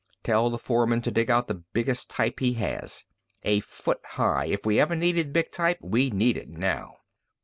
Tell the foreman to dig out the biggest type he has. A foot high. If we ever needed big type, we need it now!"